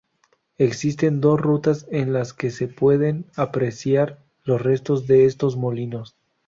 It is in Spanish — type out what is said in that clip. Existen dos rutas en las que se pueden apreciar los restos de estos molinos.